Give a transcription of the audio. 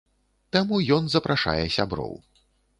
Таму ён запрашае сяброў.